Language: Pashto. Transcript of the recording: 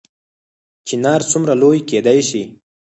چنار څومره لوی کیدی شي؟